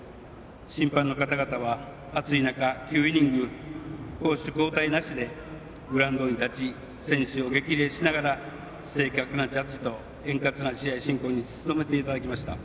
審判の方々は暑い中、９イニング攻守交代なしでグラウンドに立ち選手を激励しながら正確なジャッジと円滑な試合進行に努めていただきました。